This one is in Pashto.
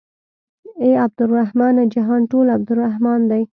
اې عبدالرحمنه جهان ټول عبدالرحمن دى.